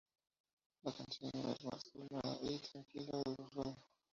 La canción es más calmada y tranquila de lo usual.